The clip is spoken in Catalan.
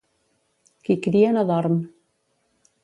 Qui cria no dorm.